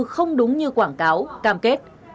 không đúng như quảng cáo cam kết